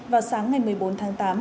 vào sáng ngày một mươi bốn tháng tám